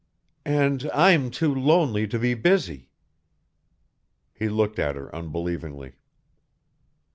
"And I'm too lonely to be busy!" He looked at her unbelievingly.